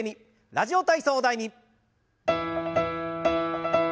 「ラジオ体操第２」。